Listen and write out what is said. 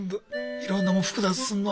いろんなもん複雑にすんのは。